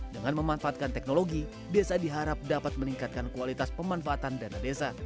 dengan memanfaatkan teknologi desa diharap dapat meningkatkan kualitas pemanfaatan dana desa